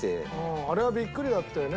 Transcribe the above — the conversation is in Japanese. あれはビックリだったよね。